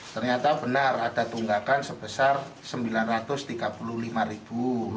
ternyata benar ada tunggakan sebesar rp sembilan ratus tiga puluh lima ribu